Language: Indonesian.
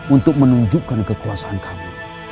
untuk menunjukkan kekuasaan kamu